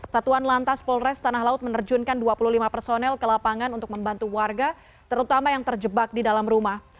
satuan lantas polres tanah laut menerjunkan dua puluh lima personel ke lapangan untuk membantu warga terutama yang terjebak di dalam rumah